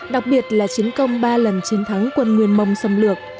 đặc biệt là chiến công ba lần chiến thắng quân nguyên mông xâm lược